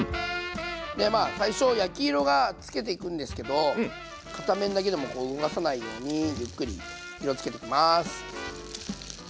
でまあ最初焼き色がつけていくんですけど片面だけでもこう動かさないようにゆっくり色つけていきます。